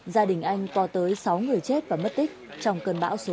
gia đình anh có tới sáu người chết và mất tích trong cơn bão số sáu